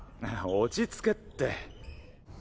落ち着けって。